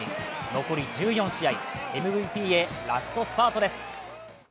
残り１４試合ＭＶＰへラストスパートです。